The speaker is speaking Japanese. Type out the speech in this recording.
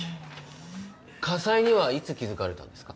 火災にはいつ気づかれたんですか？